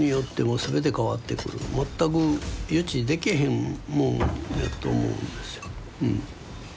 全く予知できへんもんやと思うんですようん。